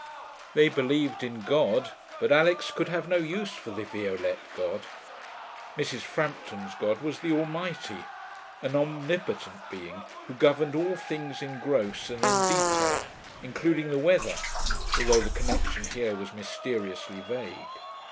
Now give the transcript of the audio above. They believed in God: but Alix could have no use for the Violette God. Mrs. Frampton's God was the Almighty, an omnipotent Being who governed all things in gross and in detail, including the weather (though the connection here was mysteriously vague).